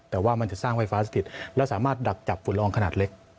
แต่ว่ามันจะสร้างไฟฟ้าสถิตและสามารถดักจับฝุ่นละอองขนาดเล็ก